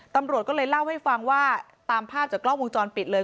ตำรวจก็เลยเล่าให้ฟังว่าตามภาพจากกล้องวงจรปิดเลย